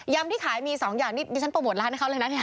ยำที่ขายมีสองอย่างนี่ฉันโปรโมทร้านให้เขาเลยนะ